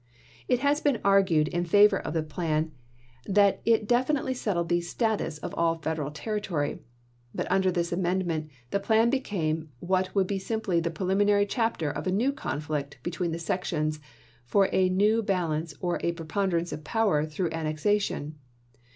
It had been argued in favor of the plan that it definitely settled the status of all Federal terri tory ; but under this amendment the plan became what would be simply the preliminary chapter of a new conflict between the sections for a new bal ance or preponderance of power through annexa tion.